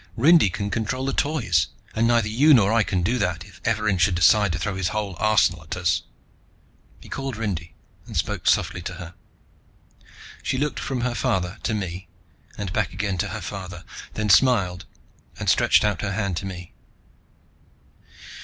Rindy can control the Toys, and neither you nor I can do that, if Evarin should decide to throw his whole arsenal at us." He called Rindy and spoke softly to her. She looked from her father to me, and back again to her father, then smiled and stretched out her hand to me.